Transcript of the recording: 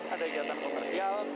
ada kegiatan komersial